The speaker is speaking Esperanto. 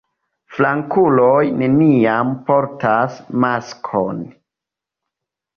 Flankuloj neniam portas maskon.